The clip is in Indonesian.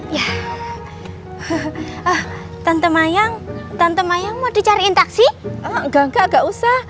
ya ah tante mayang tante mayang mau dicariin taksi enggak enggak enggak usah